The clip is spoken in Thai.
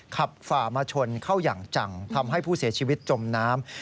ฝ่ามาชนเข้าอย่างจังทำให้ผู้เสียชีวิตจมน้ำ